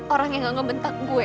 orang yang gak ngebentak gue